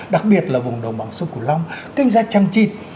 đặc biệt là vùng đồng bằng sông cửu long kinh doanh trăng trịt